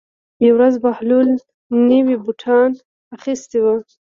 یوه ورځ بهلول نوي بوټان اخیستي وو.